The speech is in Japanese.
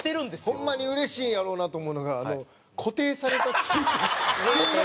ホンマにうれしいんやろうなと思うのが「固定されたツイート」。